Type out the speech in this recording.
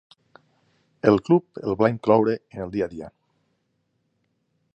El club el va incloure en el dia a dia.